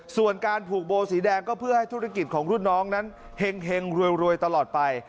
ส่วนการผูกโบสีแดงก็เพื่อให้ธุรกิจของรุ่นน้องนั้นเห็งรวยตลอดไป